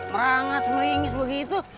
merangas meringis begitu